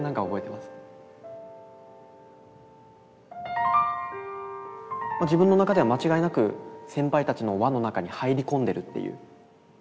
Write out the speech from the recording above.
まあ自分の中では間違いなく先輩たちの輪の中に入り込んでるっていう。